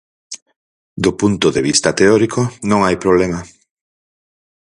Do punto de vista teórico, non hai problema.